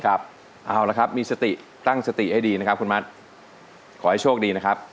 เอาละครับมีสติตั้งสติให้ดีนะครับคุณมัดขอให้โชคดีนะครับ